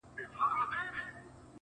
نه ، نه داسي نه ده،